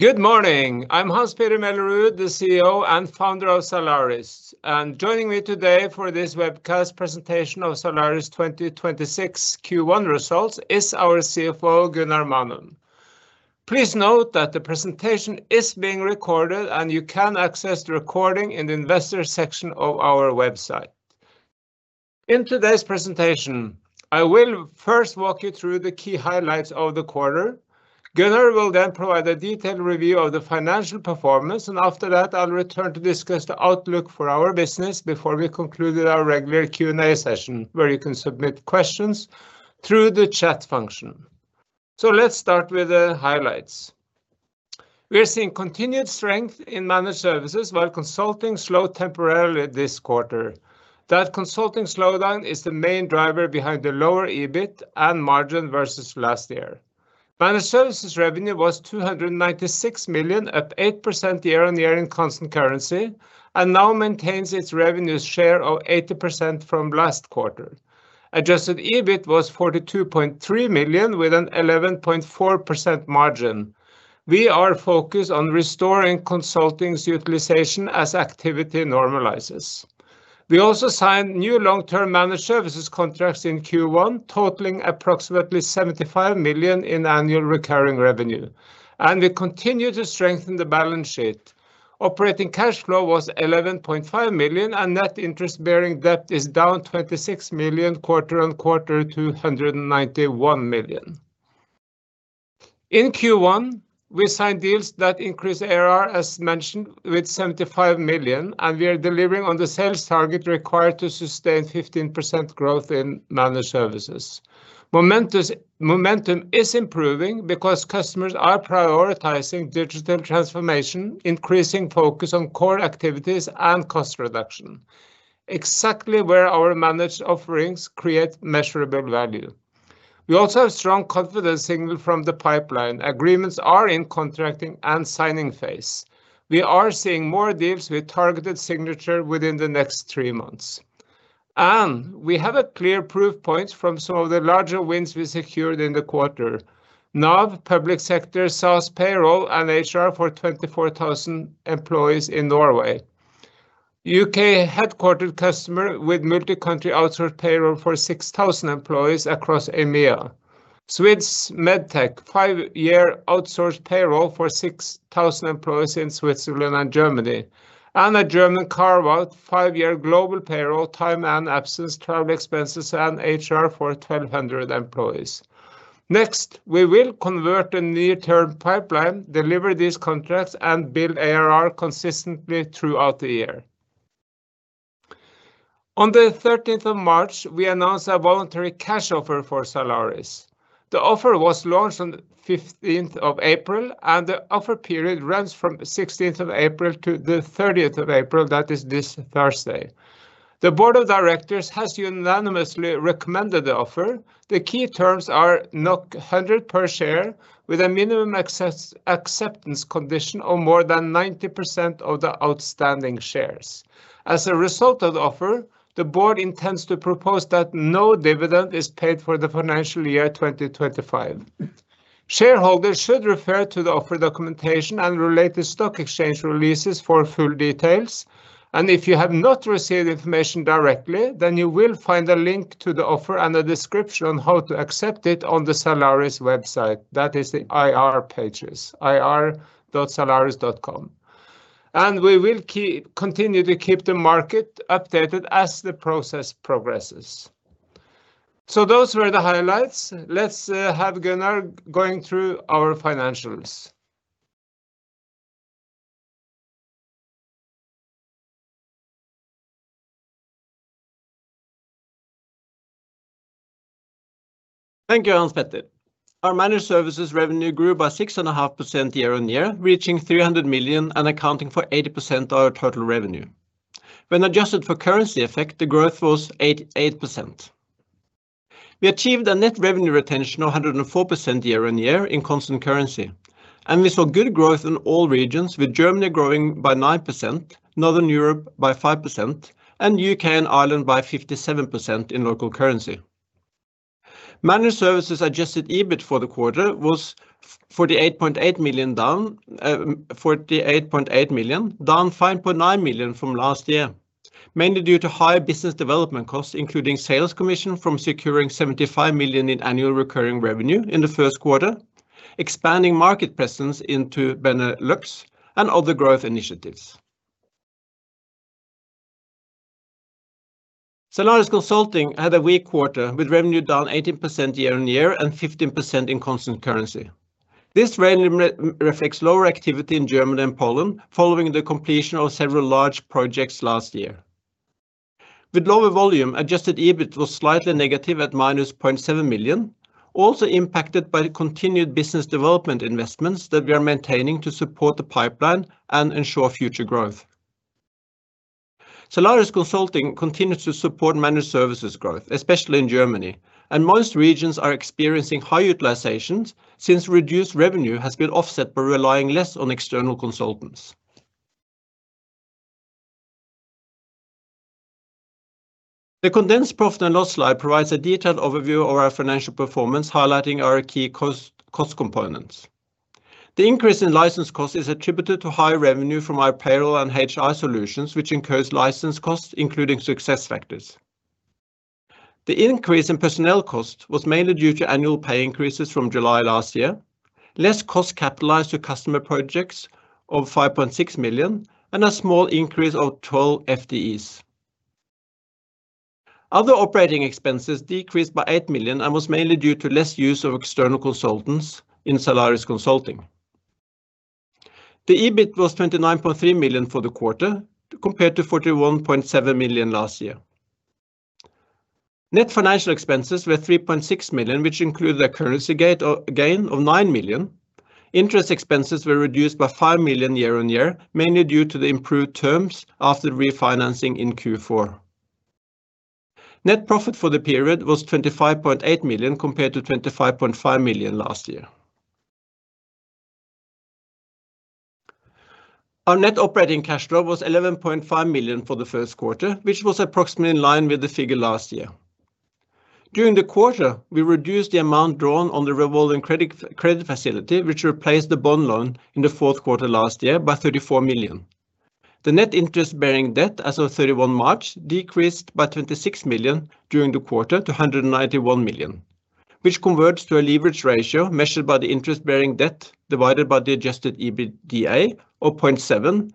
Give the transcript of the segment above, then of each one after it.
Good morning. I'm Hans-Petter Mellerud, the CEO and Founder of Zalaris. Joining me today for this webcast presentation of Zalaris 2026 Q1 results is our CFO, Gunnar Manum. Please note that the presentation is being recorded, and you can access the recording in the investor section of our website. In today's presentation, I will first walk you through the key highlights of the quarter. Gunnar will then provide a detailed review of the financial performance, and after that I'll return to discuss the outlook for our business before we conclude our regular Q&A session, where you can submit questions through the chat function. Let's start with the highlights. We are seeing continued strength in Managed Services, while Consulting slowed temporarily this quarter. That Consulting slowdown is the main driver behind the lower EBIT and margin versus last year. Managed Services revenue was 296 million, up 8% year-on-year in constant currency, and now maintains its revenue share of 80% from last quarter. Adjusted EBIT was 42.3 million with an 11.4% margin. We are focused on restoring Consulting's utilization as activity normalizes. We also signed new long-term Managed Services contracts in Q1 totaling approximately 75 million in annual recurring revenue. We continue to strengthen the balance sheet. Operating cash flow was 11.5 million, and net interest-bearing debt is down 26 million quarter-on-quarter to 191 million. In Q1, we signed deals that increased ARR, as mentioned, with 75 million, and we are delivering on the sales target required to sustain 15% growth in Managed Services. Momentum is improving because customers are prioritizing digital transformation, increasing focus on core activities and cost reduction, exactly where our managed offerings create measurable value. We also have strong confidence signal from the pipeline. Agreements are in contracting and signing phase. We are seeing more deals with targeted signature within the next three months. We have a clear proof points from some of the larger wins we secured in the quarter. NAV Public Sector SaaS payroll and HR for 24,000 employees in Norway. U.K. headquartered customer with multi-country outsourced payroll for 6,000 employees across EMEA. Swiss MedTech, five-year outsourced payroll for 6,000 employees in Switzerland and Germany. A German carve-out, five-year global payroll, time and absence, travel expenses and HR for 1,200 employees. Next, we will convert the near-term pipeline, deliver these contracts and build ARR consistently throughout the year. On the 13th of March, we announced a voluntary cash offer for Zalaris. The offer was launched on 15th of April, and the offer period runs from 16th of April to the 30th of April, that is this Thursday. The Board of Directors has unanimously recommended the offer. The key terms are 100 per share with a minimum acceptance condition of more than 90% of the outstanding shares. As a result of the offer, the Board intends to propose that no dividend is paid for the financial year 2025. Shareholders should refer to the offer documentation and related stock exchange releases for full details. If you have not received information directly, then you will find a link to the offer and a description on how to accept it on the Zalaris website. That is the IR pages, ir.zalaris.com. We will continue to keep the market updated as the process progresses. Those were the highlights. Let's have Gunnar going through our financials. Thank you, Hans-Petter Mellerud. Our Managed Services revenue grew by 6.5% year-over-year, reaching 300 million and accounting for 80% of our total revenue. When adjusted for currency effect, the growth was 8%. We achieved a Net Revenue Retention of 104% year-on-year in constant currency. And we saw good growth in all regions, with Germany growing by 9%, Northern Europe by 5%, and U.K. and Ireland by 57% in local currency. Managed Services Adjusted EBIT for the quarter was 48.8 million down 5.9 million from last year. Mainly due to higher business development costs, including sales commission from securing 75 million in annual recurring revenue in the first quarter, expanding market presence into BeNelux and other growth initiatives. Zalaris Consulting had a weak quarter, with revenue down 18% year-on-year and 15% in constant currency. This revenue reflects lower activity in Germany and Poland following the completion of several large projects last year. With lower volume, Adjusted EBIT was slightly negative at -0.7 million, also impacted by the continued business development investments that we are maintaining to support the pipeline and ensure future growth. Zalaris Consulting continues to support Managed Services growth, especially in Germany, and most regions are experiencing high utilizations since reduced revenue has been offset by relying less on external consultants. The condensed profit and loss slide provides a detailed overview of our financial performance, highlighting our key cost components. The increase in license cost is attributed to higher revenue from our payroll and HR solutions, which incurs license costs, including SAP SuccessFactors. The increase in personnel costs was mainly due to annual pay increases from July last year, less cost capitalized to customer projects of 5.6 million, and a small increase of 12 FTEs. Other operating expenses decreased by 8 million and was mainly due to less use of external consultants in Zalaris Consulting. The EBIT was 29.3 million for the quarter compared to 41.7 million last year. Net financial expenses were 3.6 million, which included a currency gain of 9 million. Interest expenses were reduced by 5 million year-on-year, mainly due to the improved terms after refinancing in Q4. Net profit for the period was 25.8 million compared to 25.5 million last year. Our net operating cash flow was 11.5 million for the first quarter, which was approximately in line with the figure last year. During the quarter, we reduced the amount drawn on the revolving credit facility, which replaced the bond loan in the fourth quarter last year by 34 million. The net interest-bearing debt as of 31 March decreased by 26 million during the quarter to 191 million, which converts to a leverage ratio measured by the interest-bearing debt divided by the Adjusted EBITDA of 0.7,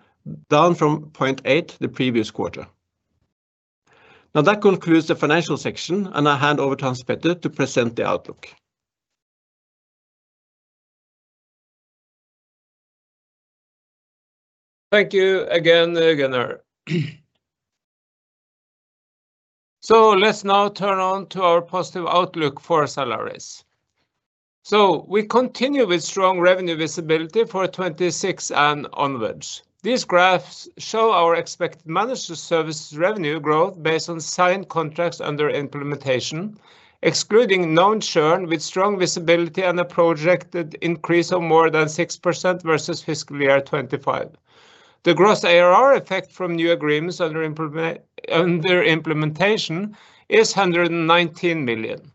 down from 0.8 the previous quarter. Now that concludes the financial section, and I hand over to Hans-Petter to present the outlook. Thank you again, Gunnar. Let's now turn to our positive outlook for Zalaris. We continue with strong revenue visibility for 2026 and onwards. These graphs show our expected Managed Services revenue growth based on signed contracts under implementation, excluding known churn with strong visibility and a projected increase of more than 6% versus fiscal year 2025. The gross ARR effect from new agreements under implementation is 119 million.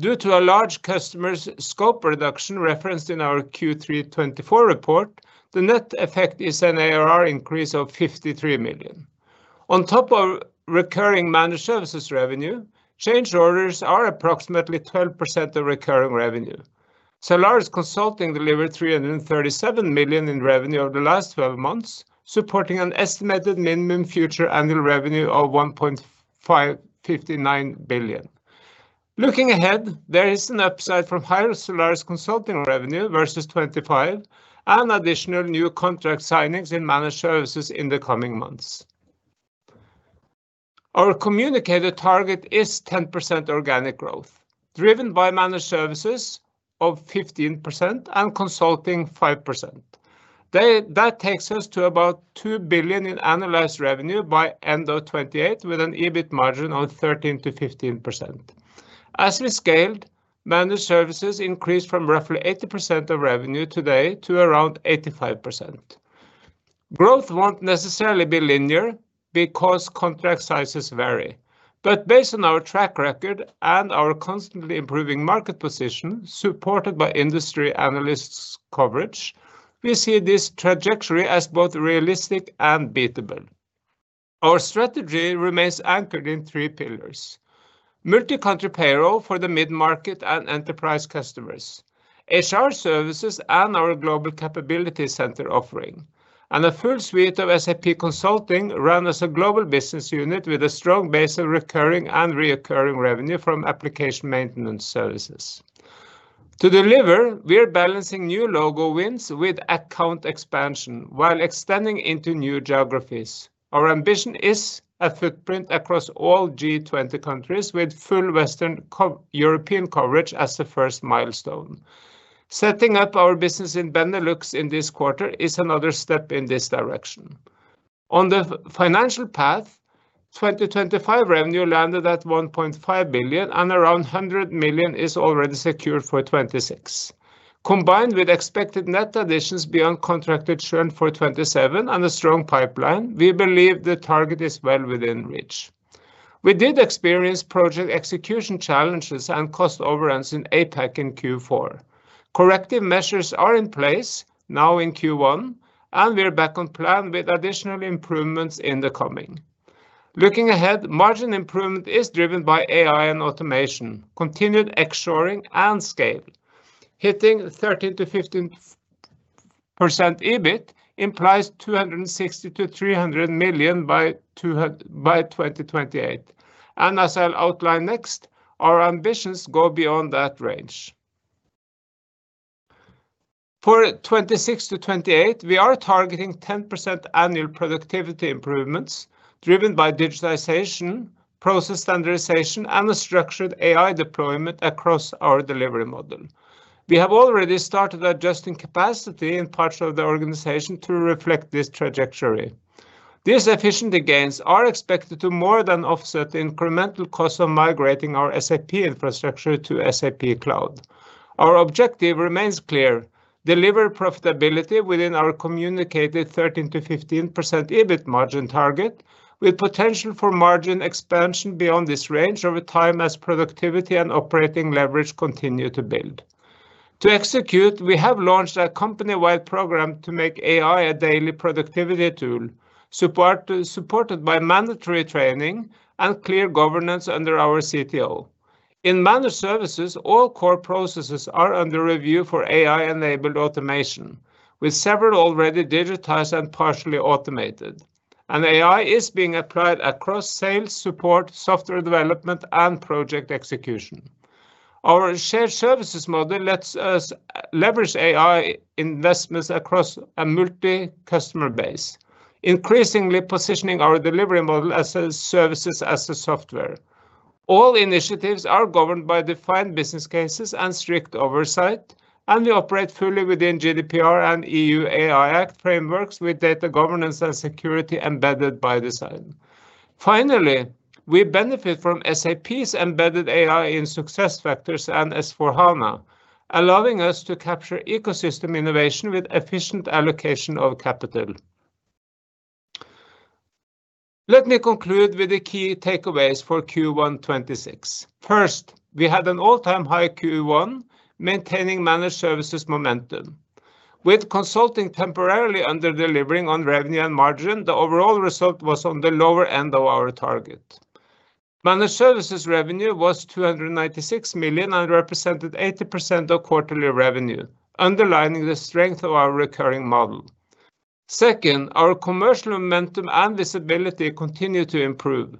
Due to a large customer's scope reduction referenced in our Q3 2024 report, the net effect is an ARR increase of 53 million. On top of recurring Managed Services revenue, change orders are approximately 12% of recurring revenue. Zalaris Consulting delivered 337 million in revenue over the last 12 months, supporting an estimated minimum future annual revenue of 1.59 billion. Looking ahead, there is an upside from higher Zalaris Consulting revenue versus 2025 and additional new contract signings in Managed Services in the coming months. Our communicated target is 10% organic growth, driven by Managed Services of 15% and Consulting 5%. That takes us to about 2 billion in annualized revenue by end of 2028, with an EBIT margin of 13%-15%. As we scaled, Managed Services increased from roughly 80% of revenue today to around 85%. Growth won't necessarily be linear because contract sizes vary. Based on our track record and our constantly improving market position, supported by industry analysts' coverage, we see this trajectory as both realistic and beatable. Our strategy remains anchored in three pillars: multi-country payroll for the mid-market and enterprise customers. HR services and our global capability center offering. And a full suite of SAP consulting run as a global business unit with a strong base of recurring and recurring revenue from application maintenance services. To deliver, we're balancing new logo wins with account expansion while extending into new geographies. Our ambition is a footprint across all G20 countries with full Western European coverage as the first milestone. Setting up our business in BeNelux in this quarter is another step in this direction. On the financial path, 2025 revenue landed at 1.5 billion and around 100 million is already secured for 2026. Combined with expected net additions beyond contracted churn for 2027 and a strong pipeline, we believe the target is well within reach. We did experience project execution challenges and cost overruns in APAC in Q4. Corrective measures are in place now in Q1, and we're back on plan with additional improvements in the coming. Looking ahead, margin improvement is driven by AI and automation, continued execution and scale. Hitting 13%-15% EBIT implies 260 million-300 million by 2028. As I'll outline next, our ambitions go beyond that range. For 2026-2028, we are targeting 10% annual productivity improvements driven by digitization, process standardization, and a structured AI deployment across our delivery model. We have already started adjusting capacity in parts of the organization to reflect this trajectory. These efficiency gains are expected to more than offset the incremental cost of migrating our SAP infrastructure to SAP Cloud. Our objective remains clear to deliver profitability within our communicated 13%-15% EBIT margin target, with potential for margin expansion beyond this range over time as productivity and operating leverage continue to build. To execute, we have launched a company-wide program to make AI a daily productivity tool, supported by mandatory training and clear governance under our CTO. In Managed Services, all core processes are under review for AI-enabled automation, with several already digitized and partially automated. AI is being applied across sales, support, software development, and project execution. Our shared services model lets us leverage AI investments across a multi-customer base, increasingly positioning our delivery model as SaaS. All initiatives are governed by defined business cases and strict oversight. And we operate fully within GDPR and EU AI Act frameworks with data governance and security embedded by design. Finally, we benefit from SAP's embedded AI in SuccessFactors and S/4HANA, allowing us to capture ecosystem innovation with efficient allocation of capital. Let me conclude with the key takeaways for Q1 2026. First, we had an all-time high Q1, maintaining Managed Services momentum. With Consulting temporarily under-delivering on revenue and margin, the overall result was on the lower end of our target. Managed Services revenue was 296 million and represented 80% of quarterly revenue, underlining the strength of our recurring model. Second, our commercial momentum and visibility continue to improve,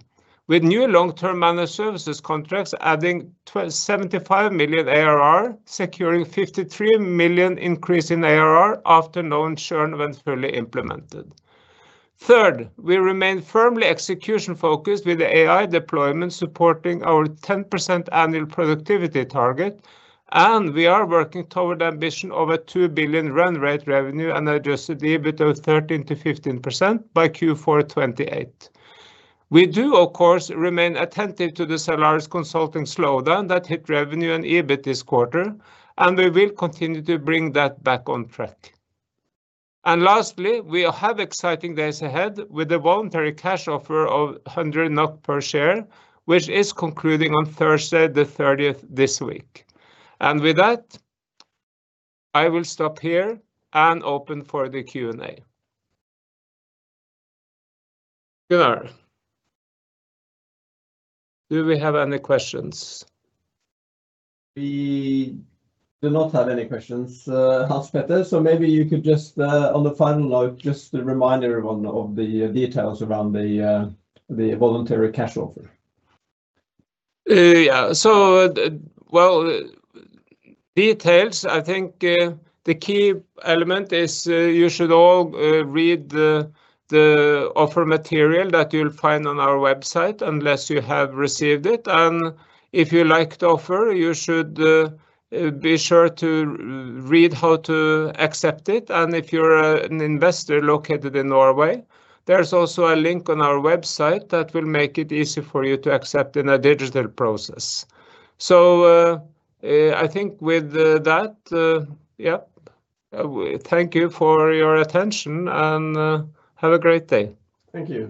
with new long-term Managed Services contracts adding 75 million ARR, securing 53 million increase in ARR after no churn when fully implemented. Third, we remain firmly execution-focused with AI deployment supporting our 10% annual productivity target, and we are working toward the ambition of a 2 billion run rate revenue and adjusted EBIT of 13%-15% by Q4 2028. We do, of course, remain attentive to the Zalaris Consulting slowdown that hit revenue and EBIT this quarter, and we will continue to bring that back on track. Lastly, we have exciting days ahead with a voluntary cash offer of 100 NOK per share, which is concluding on Thursday the 30th this week. With that, I will stop here and open for the Q&A. Gunnar, do we have any questions? We do not have any questions, Hans-Petter Mellerud, so maybe you could just, on the final note, just remind everyone of the details around the voluntary cash offer. I think the key element is you should all read the offer material that you'll find on our website, unless you have received it. If you like the offer, you should be sure to read how to accept it. If you're an investor located in Norway, there's also a link on our website that will make it easy for you to accept in a digital process. I think with that, thank you for your attention and have a great day. Thank you.